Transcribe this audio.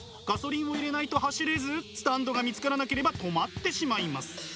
ガソリンを入れないと走れずスタンドが見つからなければ止まってしまいます。